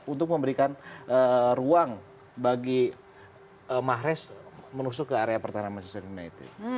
untuk memberikan ruang bagi mahrez menusuk ke area pertahanan manchester united